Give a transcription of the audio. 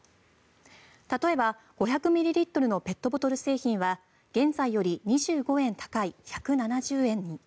例えば、５００ミリリットルのペットボトル製品は現在より２５円高い１７０円に。